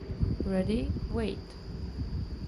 Ready - Wait